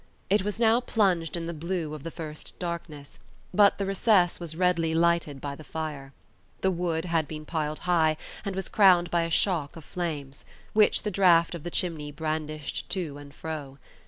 It was now plunged in the blue of the first darkness; but the recess was redly lighted by the fire. The wood had been piled high, and was crowned by a shock of flames, which the draught of the chimney brandished to and fro.